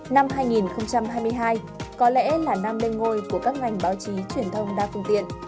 năm hai nghìn hai mươi hai có lẽ là năm lên ngôi của các ngành báo chí truyền thông đa phương tiện